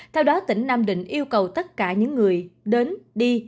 theo đó tỉnh nam định yêu cầu tất cả những người đến đi